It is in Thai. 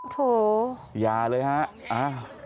โถยาเลยฮะ